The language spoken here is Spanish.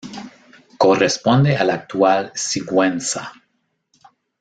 Corresponde a la actual Sigüenza.